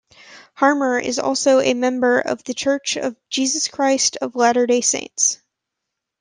Harmer is also a member of The Church of Jesus Christ of Latter-day Saints.